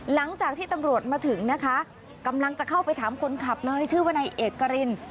หลังจากที่ตำรวจมาถึงนะคะกำลังจะเข้าไปถามคนขับเลยชื่อวนายเอกริน